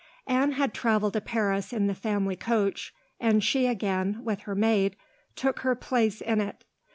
Anne had travelled to Paris in the family coach, and she again, with her maid, took her place in it.